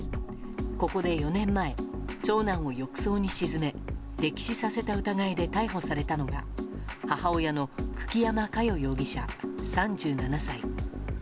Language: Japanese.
ここで４年前、長男を浴槽に沈め溺死させた疑いで逮捕されたのが母親の久木山佳代容疑者、３７歳。